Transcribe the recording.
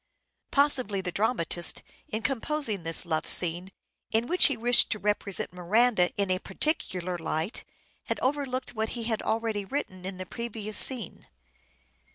Possibly the dramatist, in composing this love scene, in which he wished to represent Miranda in a particular light, had overlooked what he had already written in the previous scene.